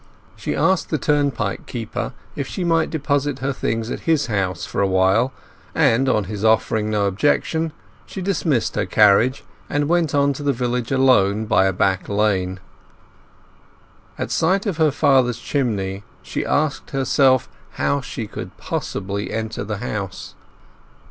She asked the turnpike keeper if she might deposit her things at his house for a while, and, on his offering no objection, she dismissed her carriage, and went on to the village alone by a back lane. At sight of her father's chimney she asked herself how she could possibly enter the house?